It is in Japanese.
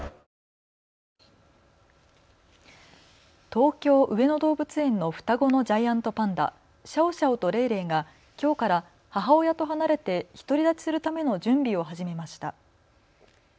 東京・上野動物園の双子のジャイアントパンダ、シャオシャオとレイレイがきょうから母親と離れて独り立ちするための準備を始めました。